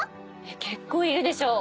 結構いるでしょ。